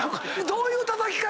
どういうたたき方？